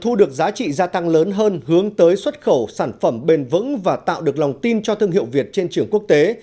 thu được giá trị gia tăng lớn hơn hướng tới xuất khẩu sản phẩm bền vững và tạo được lòng tin cho thương hiệu việt trên trường quốc tế